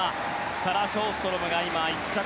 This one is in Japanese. サラ・ショーストロムが１着。